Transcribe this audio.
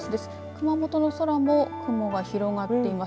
熊本の空も雲が広がっています。